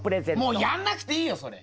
もうやんなくていいよそれ。